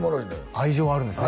愛情はあるんですね